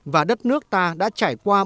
và đất nước ta đã trải qua